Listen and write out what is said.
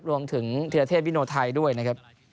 รวมถึงธีรเทศวิโน้ทัยด้วยนะครับ